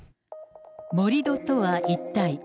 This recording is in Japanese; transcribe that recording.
盛り土とは一体。